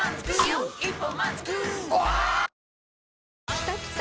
きたきた！